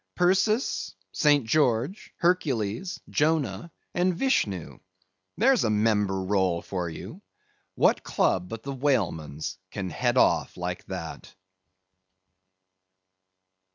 Perseus, St. George, Hercules, Jonah, and Vishnoo! there's a member roll for you! What club but the whaleman's can head off like that?